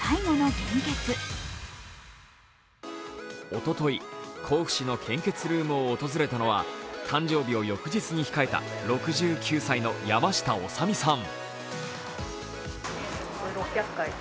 おととい、甲府市の献血ルームを訪れたのは、誕生日を翌日に控えた６９歳の山下修身さん。